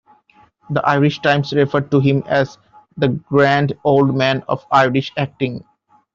"The Irish Times" referred to him as the "grand old man of Irish acting".